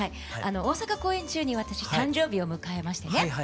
大阪公演中に私誕生日を迎えましてね